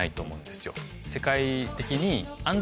世界的に。